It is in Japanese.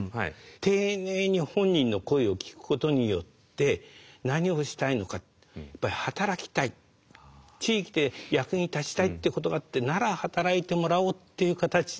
丁寧に本人の声を聞くことによって何をしたいのか働きたい地域で役に立ちたいってことがあってなら働いてもらおうっていう形で。